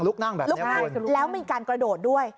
ลุกนั่งแบบนี้แล้วมีการกระโดดด้วย